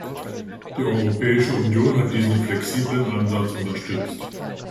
Die Europäische Union hat diesen flexiblen Ansatz unterstützt.